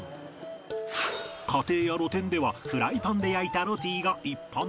家庭や露店ではフライパンで焼いたロティが一般的だが